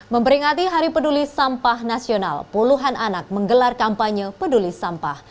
memperingati hari peduli sampah nasional puluhan anak menggelar kampanye peduli sampah